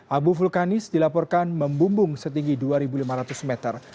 abu vulkanis dilaporkan membumbung setinggi dua lima ratus meter